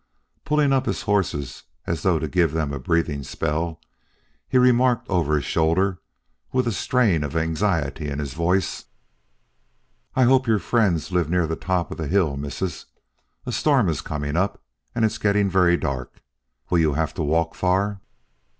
Pulling up his horses as though to give them a breathing spell, he remarked over his shoulder with a strain of anxiety in his voice: "I hope your friends live near the top of the hill, missus. A storm is coming up, and it's getting very dark. Will you have to walk far?"